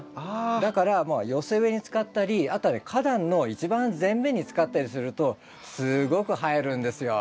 だから寄せ植えに使ったりあとは花壇の一番前面に使ったりするとすごく映えるんですよ。